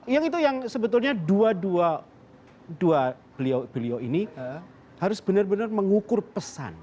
yang itu yang sebetulnya dua dua beliau ini harus benar benar mengukur pesan